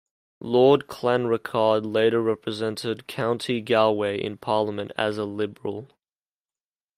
Lord Clanricarde later represented County Galway in Parliament as a Liberal.